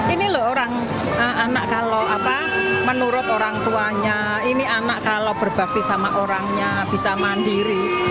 ini loh orang anak kalau menurut orang tuanya ini anak kalau berbakti sama orangnya bisa mandiri